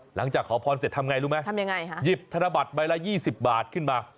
หลังจากขอพรเสร็จทำไงรู้ไหมทำยังไงคะหยิบธนบัตรใบละ๒๐บาทขึ้นมา